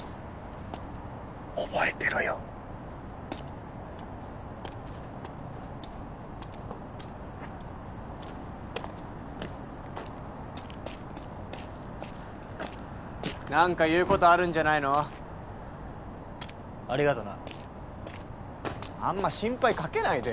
覚えてろよなんか言うことあるんじゃなありがとなあんま心配かけないでよ